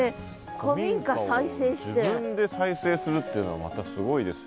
古民家を自分で再生するっていうのはまたすごいですよ。